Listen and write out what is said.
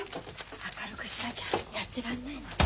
明るくしなきゃやってらんないのよ。